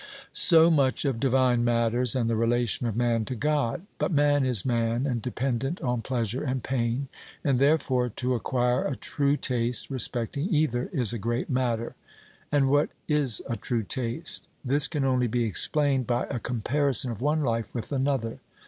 So much of divine matters and the relation of man to God. But man is man, and dependent on pleasure and pain; and therefore to acquire a true taste respecting either is a great matter. And what is a true taste? This can only be explained by a comparison of one life with another.